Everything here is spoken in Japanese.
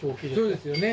そうですよね。